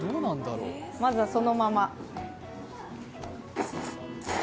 まずはそのまま。